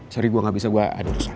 sorry gue gak bisa gue ada urusan